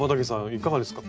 いかがですか？